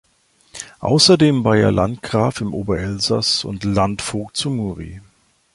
Außerdem war er Landgraf im Ober-Elsass und Landvogt zu Muri.